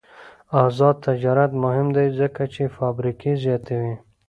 آزاد تجارت مهم دی ځکه چې فابریکې زیاتوي.